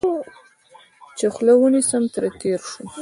چې خوله ونیسم، ترې تېر شوم.